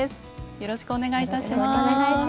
よろしくお願いします。